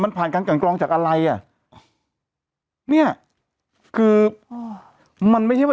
มันผ่านการกันกรองจากอะไรอ่ะเนี้ยคืออ๋อมันไม่ใช่ว่า